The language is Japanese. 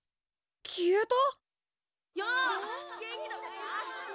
消えた！？